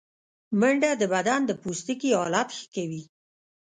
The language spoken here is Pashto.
منډه د بدن د پوستکي حالت ښه کوي